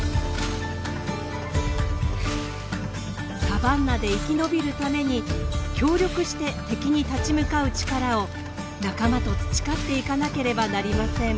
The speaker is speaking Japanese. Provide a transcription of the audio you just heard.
サバンナで生き延びるために協力して敵に立ち向かう力を仲間と培っていかなければなりません。